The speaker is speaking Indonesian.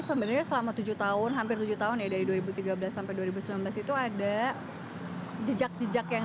sebenarnya selama tujuh tahun hampir tujuh tahun ya dari dua ribu tiga belas sampai dua ribu sembilan belas itu ada jejak jejak yang